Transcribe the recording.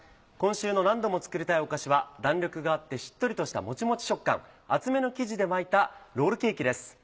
今週の何度も作りたいお菓子は弾力があってしっとりとしたモチモチ食感厚めの生地で巻いたロールケーキです。